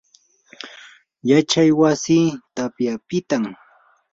yachay wasi tapyapitam.